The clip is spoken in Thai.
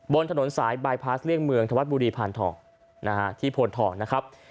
บนถนนสายบายพาสเลี่ยงเมืองธวัดบุรีพานทองนะฮะที่โพนทองนะครับ